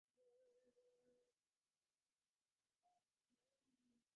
গোবিন্দমাণিক্য কহিলেন, ইহাতে আমি সম্মত আছি।